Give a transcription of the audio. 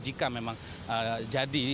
jika memang jadi